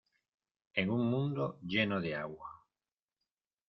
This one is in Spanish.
en un mundo lleno de agua